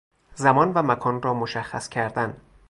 زمان و مکان را مشخص کردن